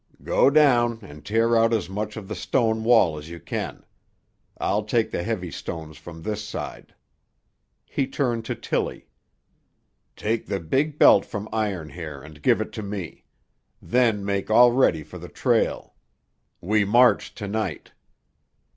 "Go down and tear out as much of the stone wall as you can. I'll take the heavy stones from this side." He turned to Tillie. "Take the big belt from Iron Hair and give it to me. Then make all ready for the trail. We march to night."